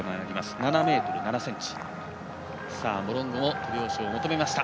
７ｍ７ｃｍ。